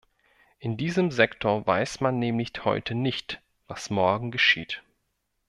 In diesem Sektor weiß man nämlich heute nicht, was morgen geschieht.